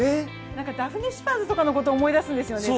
ダフネ・シパーズとかのことを思い出すんですよね。